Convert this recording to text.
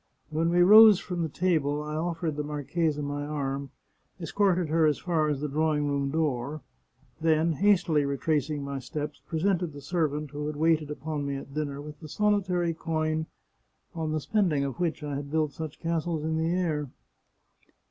" When we rose from table I offered the marchesa my arm, escorted her as far as the drawing room door, then, hastily retracing my steps, presented the servant who had waited upon me at dinner with the solitary coin on the spending of which I had built such castles in the air.